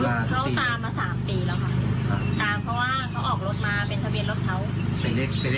เขาเก็บมาเลี้ยงรักษาเป็นเพื่อนบ้านที่ดีค่ะ